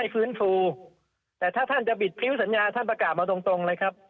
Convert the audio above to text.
ก็ท่านจะบิดผิวสัญญาท่านประกาศมาตรงเลยครับ